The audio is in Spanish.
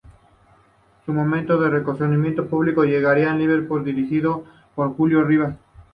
Su momento de reconocimiento público llegaría en el Liverpool dirigido por Julio Ribas.